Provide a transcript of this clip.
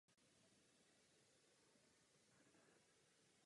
Je pojmenováno podle prvního prezidenta Gabonu.